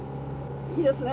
いいですね。